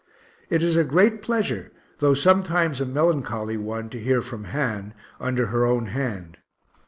It is a great pleasure, though sometimes a melancholy one, to hear from Han, under her own hand.